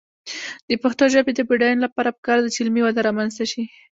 د پښتو ژبې د بډاینې لپاره پکار ده چې علمي وده رامنځته شي.